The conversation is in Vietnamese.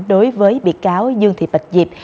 đối với bị cáo dương thị bạch diệp